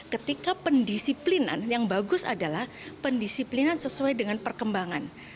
ketika pendisiplinan yang bagus adalah pendisiplinan sesuai dengan perkembangan